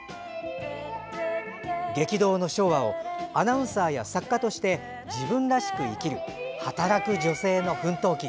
激動の昭和をアナウンサーや作家として自分らしく生きる働く女性の奮闘記！